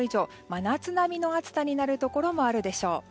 真夏並みの暑さになるところもあるでしょう。